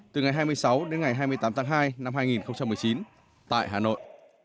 từ ngày hai mươi sáu đến ngày hai mươi tám tháng hai năm hai nghìn một mươi chín tại hà nội